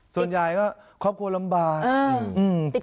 ส่วนใหญ่ก็ครอบครัวลำบากอืม